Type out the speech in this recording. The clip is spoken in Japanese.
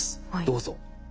どうぞ。